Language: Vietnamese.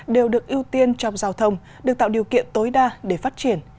đều được ưu tiên trong giao thông được tạo điều kiện tối đa để phát triển